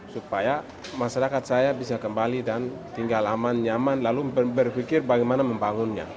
supaya masyarakat saya bisa kembali dan tinggal aman nyaman lalu berpikir bagaimana membangunnya